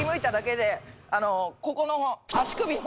ここの。